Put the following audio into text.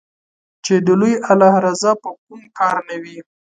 چې د لوی الله رضا په کوم کار نــــــــه وي